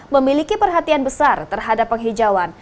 memiliki perhatian besar terhadap penghijauan